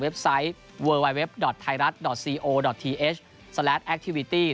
เว็บไซต์เวอร์วายเว็บดอร์ดไทยรัฐดอร์ดซีโอดอร์ดที